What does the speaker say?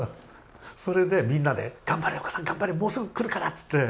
それでみんなで「頑張れお母さん頑張れもうすぐ来るから」つって。